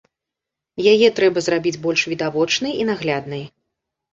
Яе трэба зрабіць больш відавочнай і нагляднай.